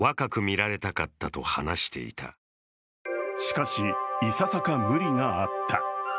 しかし、いささか無理があった。